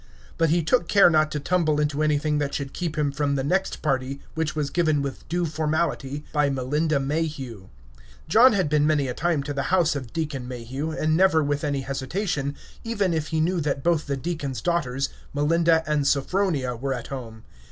But he took care not to tumble into anything that should keep him from the next party, which was given with due formality by Melinda Mayhew. John had been many a time to the house of Deacon Mayhew, and never with any hesitation, even if he knew that both the deacon's daughters Melinda and Sophronia were at home.